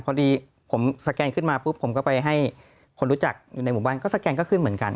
พอดีผมสแกนขึ้นมาปุ๊บผมก็ไปให้คนรู้จักอยู่ในหมู่บ้านก็สแกนก็ขึ้นเหมือนกัน